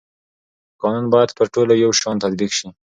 قانون باید پر ټولو یو شان تطبیق شي